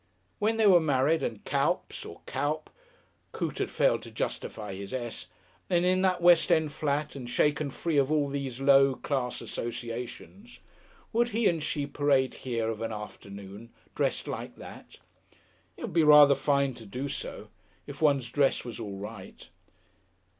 When they were married and Cuyps, or Cuyp Coote had failed to justify his "s" and in that west end flat and shaken free of all these low class associations, would he and she parade here of an afternoon dressed like that? It would be rather fine to do so. If one's dress was all right.